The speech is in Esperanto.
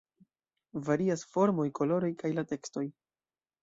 Varias formoj, koloroj kaj la tekstoj.